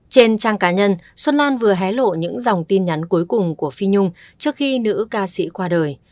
trên trang cá nhân xuân lan vừa hé lộ những dòng tin nhắn cuối cùng của phi nhung trước khi nữ ca sĩ qua đời